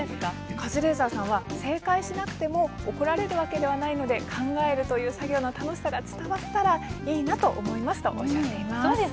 カズレーザーさんは「正解しなくても怒られるわけではないので考えるという作業の楽しさが伝わったらいいなと思います」とおっしゃっています。